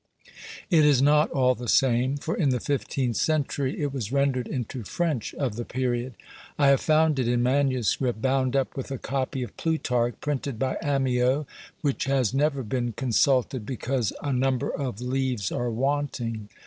It is not all the same, for in the fifteenth century it was rendered into French of the period. I have found it in manuscript bound up with a copy of Plutarch, printed by Amyot, which has never been con sulted because a number of leaves are wanting.